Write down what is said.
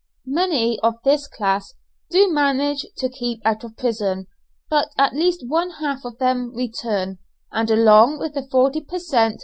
Many of this class do manage to keep out of prison, but at least one half of them return, and, along with the forty per cent.